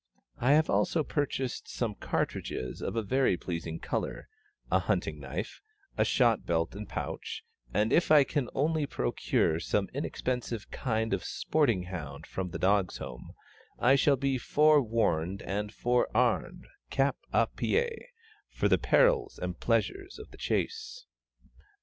I have also purchased some cartridges of a very pleasing colour, a hunting knife, and a shot belt and pouch, and if I can only procure some inexpensive kind of sporting hound from the Dogs' Home, I shall be forewarned and forearmed cap à pie for the perils and pleasures of the chase.